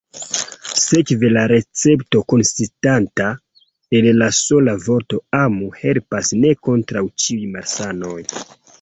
Sekve la recepto, konsistanta el la sola vorto “amu”, helpas ne kontraŭ ĉiuj malsanoj.